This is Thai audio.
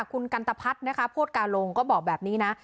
คุณกันตะพัฒน์นะคะโพดกาลงก็บอกแบบนี้นะ